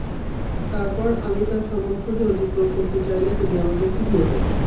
তারপর আমি তাঁর সম্মুখ দিয়ে অতিক্রম করতে চাইলে তিনি আমাকে ফিরিয়ে দেন।